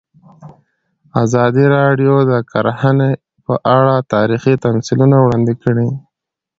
ازادي راډیو د کرهنه په اړه تاریخي تمثیلونه وړاندې کړي.